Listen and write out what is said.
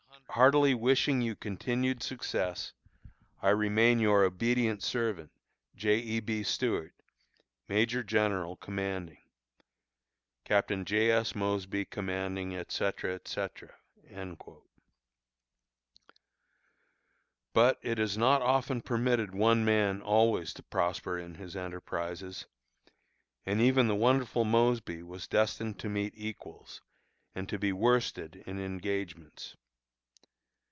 Heartily wishing you continued success, I remain your obedient servant, J. E. B. STUART, Major General Commanding. Captain J. S. MOSBY, commanding, etc., etc. But it is not often permitted one man always to prosper in his enterprises, and even the wonderful Mosby was destined to meet equals, and to be worsted in engagements.